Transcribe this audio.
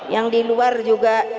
yang di luar juga